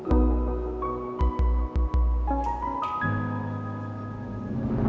aku merasa kaget